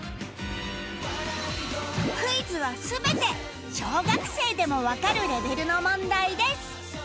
クイズは全て小学生でもわかるレベルの問題です